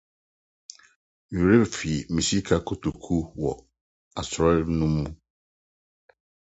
Me werɛ fii me sika kotoku wɔ asɔre no mu.